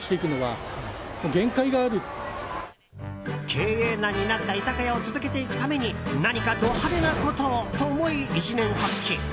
経営難になった居酒屋を続けていくために何かド派手なことをと思い一念発起。